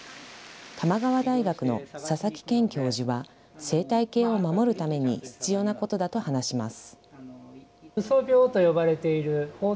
玉川大学の佐々木謙教授は、生態系を守るために必要なことだと話します。